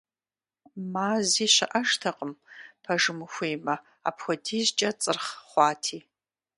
Мэзи щыӀэжтэкъым, пэжым ухуеймэ, апхуэдизкӀэ цӀырхъ хъуати.